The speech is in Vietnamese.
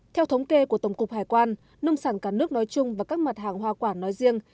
theo thống kê của tổng cục hải quan nông sản cả nước nói chung và các mặt hàng hoa quả nói riêng